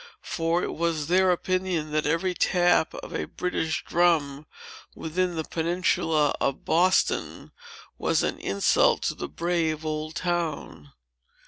For it was their opinion, that every tap of a British drum within the peninsula of Boston, was an insult to the brave old town.